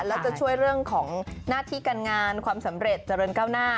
แล้วจะช่วยเรื่องของหน้าที่การงานความสำเร็จเจริญก้าวหน้า